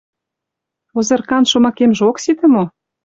Озыркан шомакемже ок сите мо?